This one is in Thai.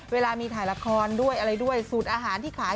เวลามีถ่ายละครด้วยอะไรด้วยสูตรอาหารที่ขาย